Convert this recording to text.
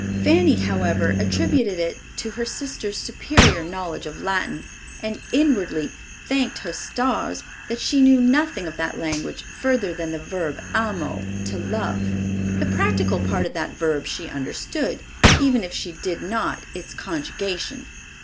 Fanny, however, attributed it to her sister's superior knowledge of Latin, and inwardly "thanked her stars" that she knew nothing of that language further than the verb Amo, to love. The practical part of that verb she understood, even if she did not its conjugation.